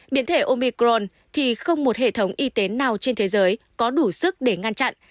biến thể omicron thì không một hệ thống y tế nào trên thế giới có đủ sức để ngăn chặn